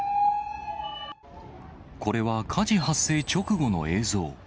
これは火事発生直後の映像。